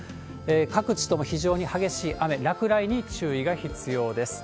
各地とも非常に激しい雨、落雷に注意が必要です。